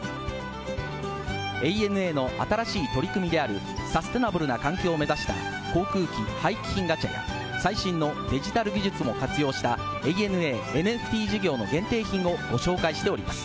ＡＮＡの新しい取り組みであるサステナブルな環境を目指した航空機廃棄品ガチャや、最新のデジタル技術を活用した「ＡＮＡＮＦＴ事業」の限定品をご紹介しております。